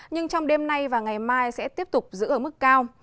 nhưng trong đêm nay và ngày mai sẽ tiếp tục giữ ở mức cao